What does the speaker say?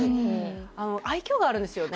愛嬌があるんですよね。